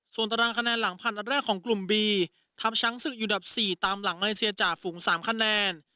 ส่วนตารางคะแนนหลังผ่านอัดแรกของกลุ่มบีทับชั้นศึกอยู่ดับสี่ตามหลังมันเมริกาจากฝุงสามคะแนน